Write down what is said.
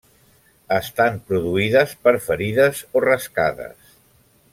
Estan produïdes per ferides o rascades.